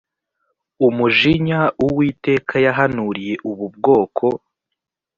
umujinya uwiteka yahanuriye ubu bwoko